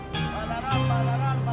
bandaran bandaran bandaran